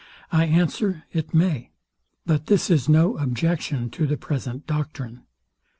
I answer, It may: But this is no objection to the present doctrine.